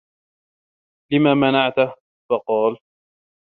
لِمَ مَنَعْته ؟ فَقَالَ